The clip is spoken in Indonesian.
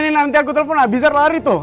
nina nanti aku telepon abizar lari tuh